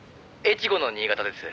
越後の新潟です」